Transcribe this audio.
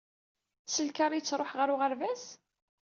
S lkar i yettruḥ ɣer uɣerbaz?